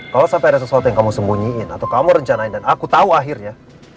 kalau sampai ada sesuatu yang kamu sembunyiin atau kamu rencanain dan aku tahu akhirnya